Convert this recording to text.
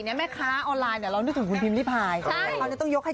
เนี้ยแม่ค้าออนไลน์เนี้ยเรานึกถึงคุณพิมพ์นี่พายใช่ต้องยกให้